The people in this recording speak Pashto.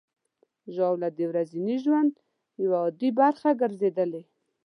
ژاوله د ورځني ژوند یوه عادي برخه ګرځېدلې.